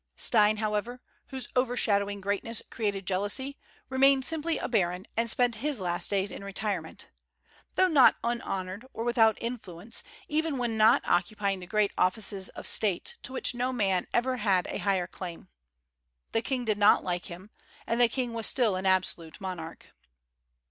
Stein, however, whose overshadowing greatness created jealousy, remained simply a baron, and spent his last days in retirement, though not unhonored, or without influence, even when not occupying the great offices of state, to which no man ever had a higher claim. The king did not like him, and the king was still an absolute monarch.